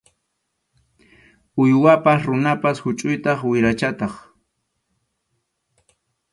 Uywapas runapas huchʼuytaq wirachataq.